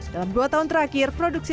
dalam dua tahun terakhir produksi